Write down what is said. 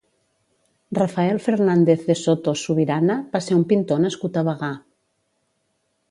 Rafael Fernández de Soto Subirana va ser un pintor nascut a Bagà.